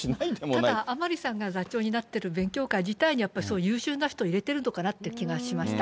ただ、甘利さんが座長になってる勉強会自体に、やっぱり、優秀な人を入れているのかなっていう気がしました。